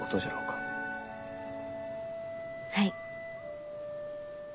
はい。